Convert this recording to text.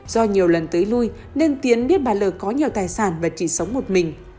do nhiều lần tưới lui nên tiến biết bà l có nhiều tài sản và chỉ sống một mình